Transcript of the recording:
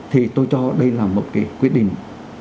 thì tôi cho đây là một cái quyết định